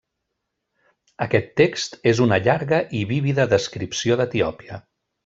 Aquest text és una llarga i vívida descripció d'Etiòpia.